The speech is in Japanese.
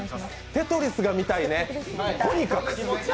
「テトリス」が見たいね、とにかく。